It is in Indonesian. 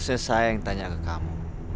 terus saya yang tanya ke kamu